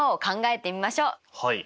はい。